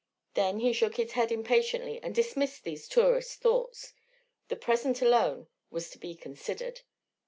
Then he shook his head impatiently and dismissed these tourist thoughts. The present alone was to be considered.